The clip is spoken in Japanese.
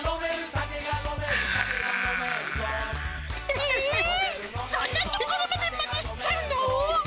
えー、そんなところまでまねしちゃうの？